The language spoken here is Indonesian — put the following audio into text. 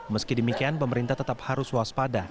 meski demikian pemerintah tetap harus waspada